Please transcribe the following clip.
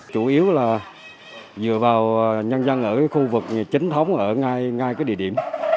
chủ yếu là dựa vào nhân dân ở khu vực chính thống ở ngay ngay cái địa điểm